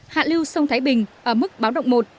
hạ lưu sông thái bình ở mức báo động một